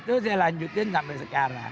itu saya lanjutin sampai sekarang